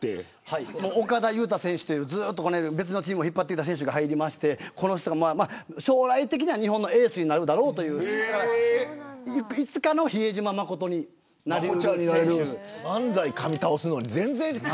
岡田侑大選手という別のチームを引っ張っていた選手が入りましてこの人が将来的には日本のエースになるだろうといつかの比江島慎になり得る。